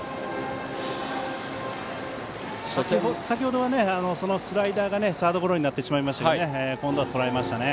先程はそのスライダーがサードゴロになりましたが今度はとらえましたね。